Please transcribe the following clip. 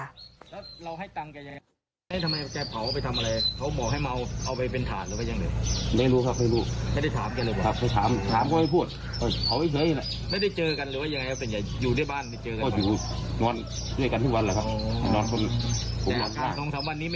รู้เรื่องไหมว่าแกมียามีติดยาอะไรอย่างนี้